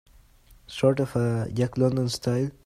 Sort of a Jack London style?